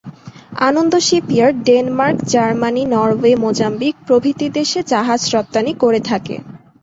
আনন্দ shipyard Denmark, Germany, Norway, Mozambique প্রভৃতি দেশে জাহাজ রপ্তানী করে থাকে।